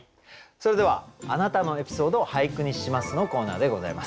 それでは「あなたのエピソード、俳句にします」のコーナーでございます。